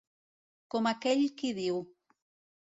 Com aquell qui diu.